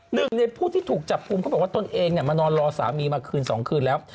หนึ่งในผู้ที่ถูกจับกลุ่มเขาบอกว่าตนเองมานอนรอสามีมาคืน๒คืนแล้ว